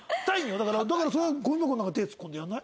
だからだからそれでゴミ箱の中手突っ込んでやらない？